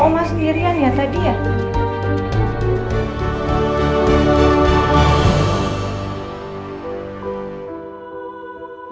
sendirian ya tadi ya